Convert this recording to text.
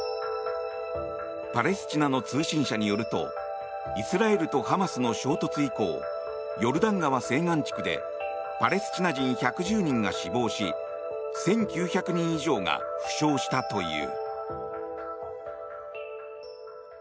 パレスチナの通信社によるとイスラエルとハマスの衝突以降ヨルダン川西岸地区でパレスチナ人１１０人が死亡し１９００人以上が負傷したという。